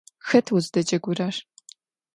Xet vo vuzdecegurer?